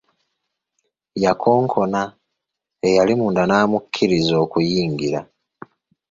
Yakonkona, eyali munda n’amukkiriza okuyingira.